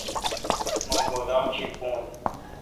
مہ گودام شی بھون۔